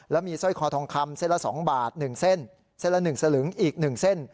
แล้วมีสร้อยคอทองคำเส้นละสองบาทหนึ่งเส้นเส้นละหนึ่งสลึงอีกหนึ่งเส้น